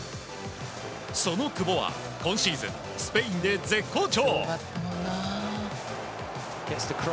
その久保は、今シーズンスペインで絶好調！